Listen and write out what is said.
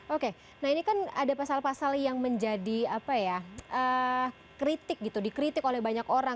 oke nah ini kan ada pasal pasal yang menjadi kritik gitu dikritik oleh banyak orang